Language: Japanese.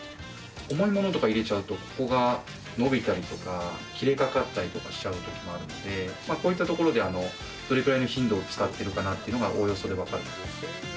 重いものとか入れちゃうと、ここが伸びたりとか、切れかかったりとかしちゃうときもあるんで、こういったところで、どれくらいの頻度、使ってるかなっていうのがおおよそで分かる。